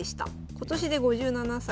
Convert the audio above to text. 今年で５７歳。